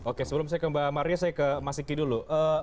oke sebelum saya ke mbak maria saya ke mas siki dulu